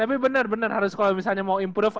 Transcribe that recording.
tapi bener bener harus kalau misalnya mau improve